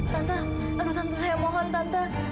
tante aduh santa saya mohon tante